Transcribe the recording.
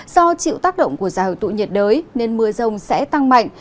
do chịu tác động của dài hợp tụ nhiệt đới nên mưa rông sẽ tăng mạnh